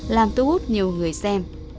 làm thu hút nhiều người xem